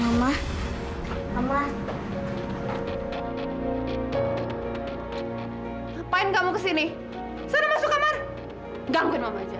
gangguin mama aja